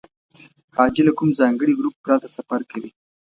حاجي له کوم ځانګړي ګروپ پرته سفر کوي.